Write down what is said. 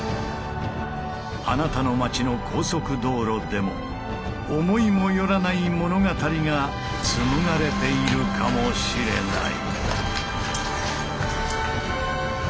あなたの街の高速道路でも思いも寄らない物語が紡がれているかもしれない。